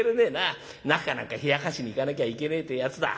なかかなんか冷やかしに行かなきゃいけねえってやつだ。